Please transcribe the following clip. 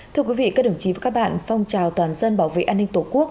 thưa quý vị các đồng chí và các bạn phong trào toàn dân bảo vệ an ninh tổ quốc